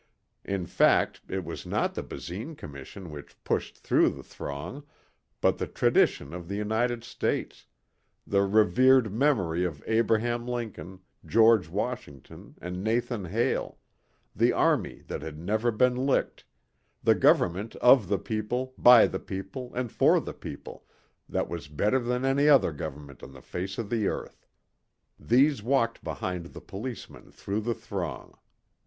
In fact, it was not the Basine Commission which pushed through the throng but the Tradition of the United States, the Revered Memory of Abraham Lincoln, George Washington and Nathan Hale, the Army that had never been licked, the Government of the People, by the People and for the People, that was better than any other government on the face of the earth. These walked behind the policemen through the throng.